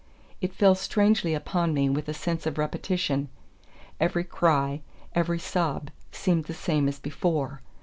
It fell strangely upon me with a sense of repetition. Every cry, every sob seemed the same as before.